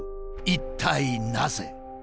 一体なぜ？